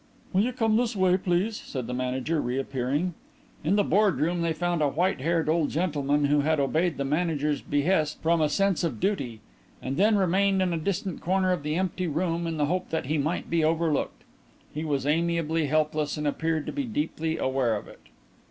"Will you come this way, please?" said the manager, reappearing. In the boardroom they found a white haired old gentleman who had obeyed the manager's behest from a sense of duty, and then remained in a distant corner of the empty room in the hope that he might be overlooked. He was amiably helpless and appeared to be deeply aware of it.